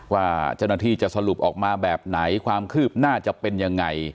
ว่าเจ้าหน้าที่จะสรุปออกมาแบบไหนความคืบหน้าจะเป็นยังไง